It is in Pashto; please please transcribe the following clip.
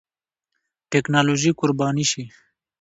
ټېکنالوژي قرباني شي.